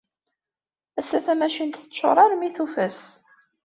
Ass-a, tamacint teččuṛ armi tufas.